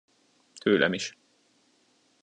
Tőlem is.